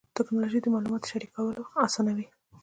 ټکنالوجي د معلوماتو شریکول اسانوي.